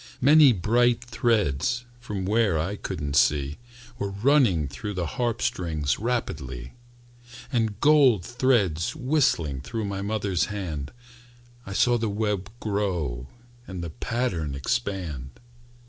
Many bright threads, From where I couldn't see, Were running through the harp strings Rapidly, And gold threads whistling Through my mother's hand. I saw the web grow, And the pattern expand.